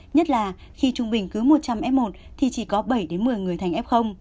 nhất là khi trung bình cứ một trăm linh f một thì chỉ có bảy một mươi người thành f